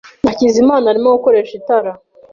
Hakizimana arimo gukoresha itara.